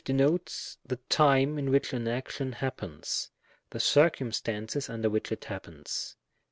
denotes the time in which an action happens, the circumstances under which it happens.